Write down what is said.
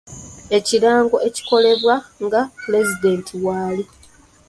Ekirango ekikolebwa nga puezidenti waali.